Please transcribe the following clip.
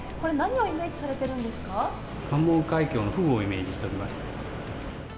これ、関門海峡のフグをイメージしております。